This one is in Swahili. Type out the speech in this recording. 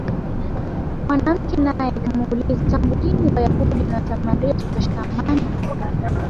Mwanamke naye kamuuliza, tangu lini wayahudi na wasamaria tukashikamana?